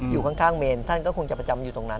อยู่ข้างเมนท่านก็คงจะประจำอยู่ตรงนั้น